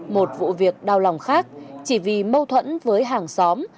một vụ việc đau lòng khác chỉ vì mâu thuẫn với hàng xóm